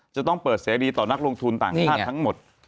จะต้องเปิดเสรีต่อนักลงทุนต่างชาติทั้งหมด